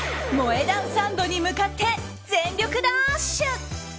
萌え断サンドに向かって全力ダッシュ！